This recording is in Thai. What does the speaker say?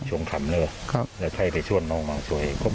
จวงครำเลอครับแล้วใครไปช่วงอองบางโชว์เหย์